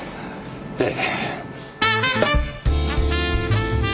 ええ。